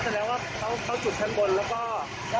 บ้านลักขึ้นภูเกียรติกอายุ